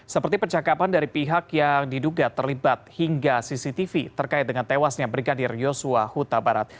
seperti percakapan dari pihak yang diduga terlibat hingga cctv terkait dengan tewasnya brigadir yosua huta barat